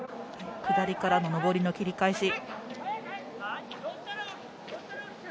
下りからの上りの切り返し。